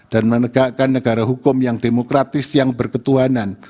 menegakkan negara hukum yang demokratis yang berketuhanan